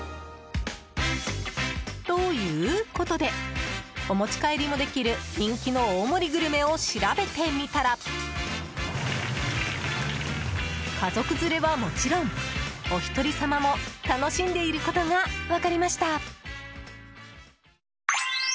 ということでお持ち帰りもできる人気の大盛りグルメを調べてみたら家族連れはもちろん、お一人様も楽しんでいることが分かりました。